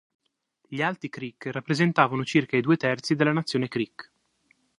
Gli Alti Creek rappresentavano circa i due terzi della nazione Creek.